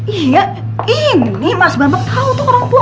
iya ini mas bambang tahu tuh orang tua